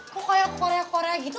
kok kayak korea korea gitu